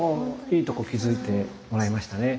いいとこ気付いてもらいましたね。